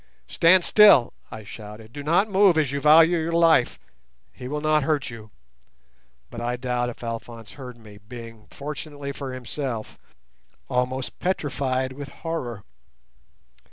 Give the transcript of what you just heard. "Stand still," I shouted; "do not move as you value your life—he will not hurt you;" but I doubt if Alphonse heard me, being, fortunately for himself, almost petrified with horror.